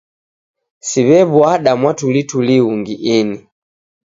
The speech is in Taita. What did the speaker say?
Siw'ew'uada mwatulituli ungi ini